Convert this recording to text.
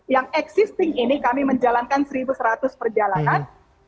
yang existing ini kami menjalankan satu seratus perjalanan